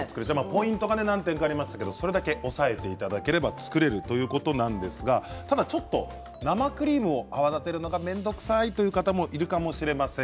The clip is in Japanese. ポイントは何点か、ありましたがそれだけ押さえていただければ作れるということなんですがただちょっと生クリームを泡立てるのが面倒くさいという方もいるかもしれません。